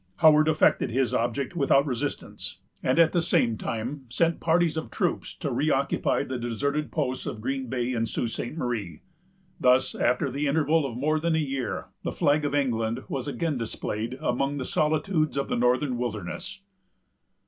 Howard effected his object without resistance, and, at the same time, sent parties of troops to reoccupy the deserted posts of Green Bay and Sault Ste. Marie. Thus, after the interval of more than a year, the flag of England was again displayed among the solitudes of the northern wilderness.